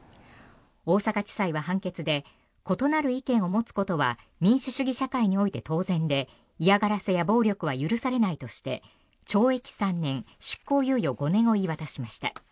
大阪地裁は判決で異なる意見を持つことは民主主義社会において当然で嫌がらせや暴力は許されないとして懲役３年、執行猶予５年を言い渡しました。